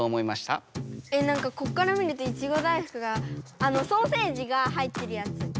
えなんかこっから見るといちご大福があのソーセージが入ってるやつ。